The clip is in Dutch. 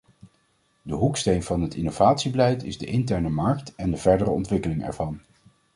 De hoeksteen van het innovatiebeleid is de interne markt en de verdere ontwikkeling ervan.